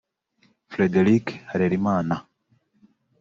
Frederick Harerimana